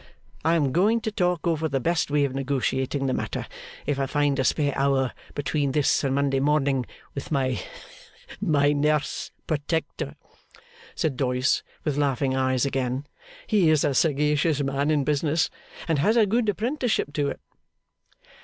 I am going to talk over the best way of negotiating the matter, if I find a spare half hour between this and Monday morning, with my my Nurse and protector,' said Doyce, with laughing eyes again. 'He is a sagacious man in business, and has had a good apprenticeship to it.